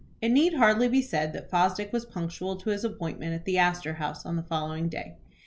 It need hardly be said that Fosdick was punctual to his appointment at the Astor House on the following day.